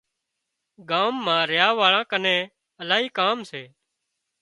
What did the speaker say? ڳام مان ريا واۯان ڪنين الاهي ڪام سي